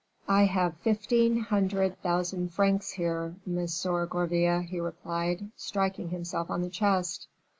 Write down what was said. "I have fifteen hundred thousand francs here, Monsieur Gourville," he replied, striking himself on the chest.